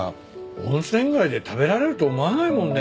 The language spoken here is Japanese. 温泉街で食べられると思わないもんね。